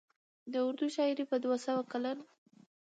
د اردو شاعرۍ په دوه سوه کلن